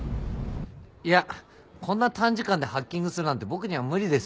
いやこんな短時間でハッキングするなんて僕には無理ですよ。